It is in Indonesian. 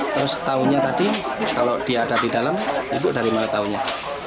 terus taunya tadi kalau dia ada di dalam itu dari mana taunya